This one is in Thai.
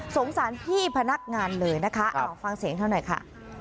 สารพี่พนักงานเลยนะคะเอาฟังเสียงเธอหน่อยค่ะ